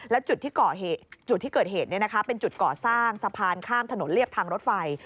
แล้วจุดที่เกิดเหตุเนี้ยนะคะเป็นจุดก่อสร้างสะพานข้ามถนนเรียบทางรถไฟ